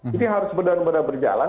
jadi harus benar benar berjalan